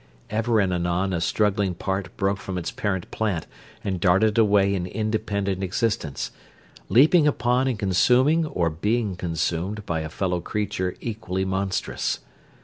Ever and anon a struggling part broke from its parent plant and darted away in independent existence; leaping upon and consuming or being consumed by a fellow creature equally monstrous.